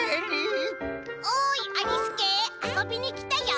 「おいありすけあそびにきたよ」。